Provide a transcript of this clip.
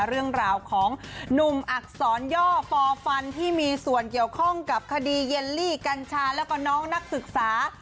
เรื่องราวของหนุ่มอักษรย่อฟอฟันที่มีส่วนเกี่ยวข้องกับคดีเยลลี่กัญชาแล้วก็น้องนักศึกษา